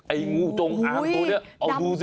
ไอ้งูตรงอังตัวนี้เอาดูซิ